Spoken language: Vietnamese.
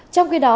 trong khi đó